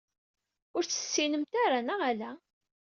Ur tt-tessinemt ara, neɣ ala?